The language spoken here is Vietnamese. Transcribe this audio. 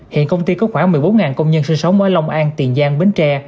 hiện công ty có khoảng một mươi bốn công nhân sinh sống ở long an tiền giang bến tre